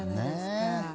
ねえ。